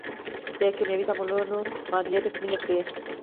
د کیمیاوي تعاملونو معادلې تکمیلې کړئ.